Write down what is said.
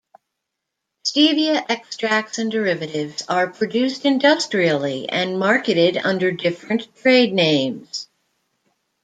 Stevia extracts and derivatives are produced industrially and marketed under different trade names.